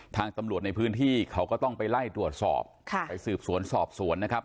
ทางตำรวจในพื้นที่เขาก็ต้องไปไล่ตรวจสอบค่ะไปสืบสวนสอบสวนนะครับ